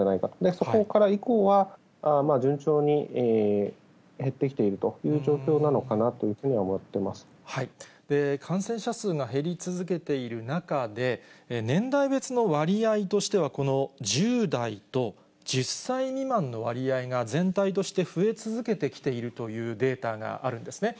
そこから以降は、順調に減ってきているという状況なのかなというふうには思ってい感染者数が減り続けている中で、年代別の割合としては、この１０代と１０歳未満の割合が全体として増え続けてきているというデータがあるんですね。